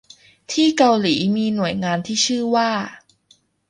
ที่เกาหลีมีหน่วยงานที่ชื่อว่า